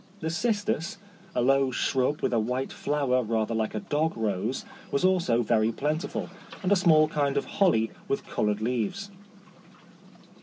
The cistus, a low shrub with a white flower rather like a dog rose, was also very plentiful, and a small kind of holly with coloured leaves.